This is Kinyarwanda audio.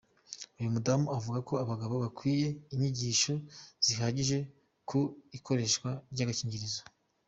Uyu mudamu avuga ko abagabo bakwiye inyigisho zihagije ku ikoreshwa ry’agakingirizo.